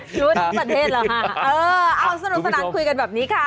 รู้จักประเทศเหรอเออเอาสนุกสนานคุยกันแบบนี้ค่ะ